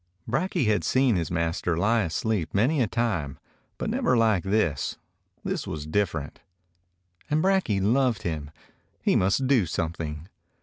Brakje had seen his master lie asleep many a time, but never like this; this was different. And Brakje loved him. He must do some thing.